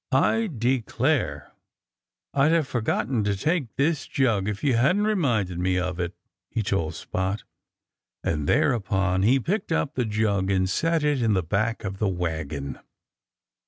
"I declare I'd have forgotten to take this jug if you hadn't reminded me of it," he told Spot. And thereupon he picked up the jug and set it in the back of the wagon.